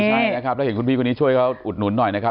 ใช่นะครับแล้วเห็นคุณพี่คนนี้ช่วยเขาอุดหนุนหน่อยนะครับ